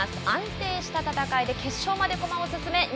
安定した戦いで決勝まで駒を進め